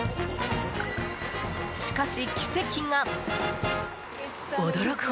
しかし奇跡が。